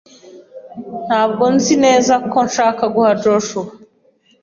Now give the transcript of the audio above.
Ntabwo nzi neza ko nshaka guha Joshua.